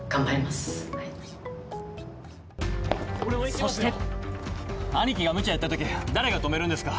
そして兄貴がムチャやった時誰が止めるんですか？